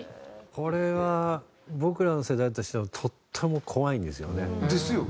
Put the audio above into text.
これは僕らの世代としてはとっても怖いんですよね。ですよね。